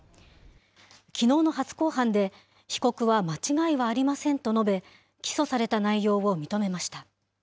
きのうの初公判で被告は間違いはありませんと述べ、起訴された内容を認めました。